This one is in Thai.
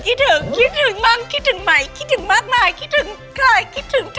คิดถึงคิดถึงบ้างคิดถึงไหมคิดถึงมากมายคิดถึงใครคิดถึงเธอ